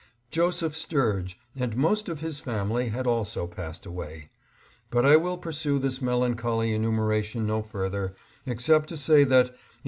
Joseph Sturge and most of his family had also passed away. But I will pursue this melan choly enumeration no further, except to say that, in ■680 MEETING WITH OLD FRIENDS.